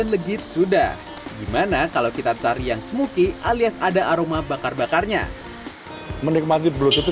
legit sudah gimana kalau kita cari yang smoothy alias ada aroma bakar bakarnya menikmati belusutu